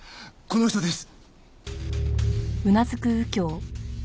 この人です。